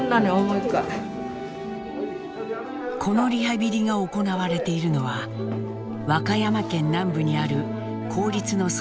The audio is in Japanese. このリハビリが行われているのは和歌山県南部にある公立の総合病院。